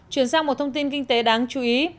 chuyển sang một thông tin kinh tế đáng chú ý